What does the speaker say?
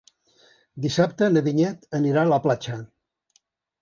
Dissabte na Vinyet anirà a la platja.